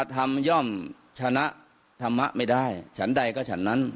ธรรมย่อมชนะธรรมะไม่ได้ฉันใดก็ฉันนั้น